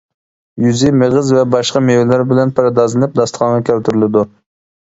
يۈزى مېغىز ۋە باشقا مېۋىلەر بىلەن پەردازلىنىپ، داستىخانغا كەلتۈرۈلىدۇ.